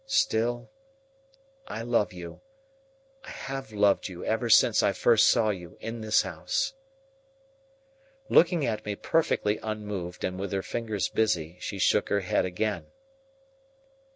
Still, I love you. I have loved you ever since I first saw you in this house." Looking at me perfectly unmoved and with her fingers busy, she shook her head again.